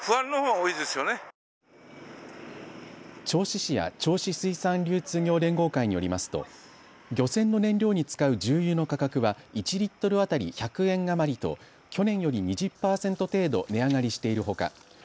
銚子市や銚子水産流通業連合会によりますと漁船の燃料に使う重油の価格は１リットル当たり１００円余りと去年より２０％程度値上がりしているほか